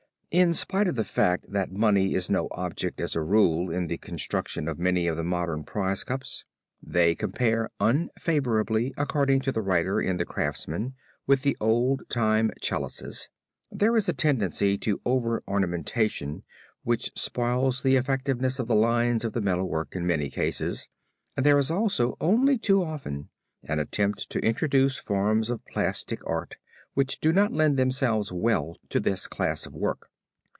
In spite of the fact that money is no object as a rule in the construction of many of the modern prize cups, they compare unfavorably according to the writer in The Craftsman with the old time chalices. There is a tendency to over ornamentation which spoils the effectiveness of the lines of the metal work in many cases and there is also only too often, an attempt to introduce forms of plastic art which do not lend themselves well to this class of work.